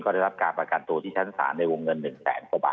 ได้รับการประกันตัวที่ชั้นศาลในวงเงิน๑แสนกว่าบาท